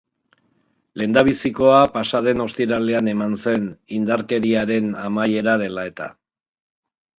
Lehendabizikoa pasa den ostiralean eman zen, indarkeriaren amaiera dela-eta.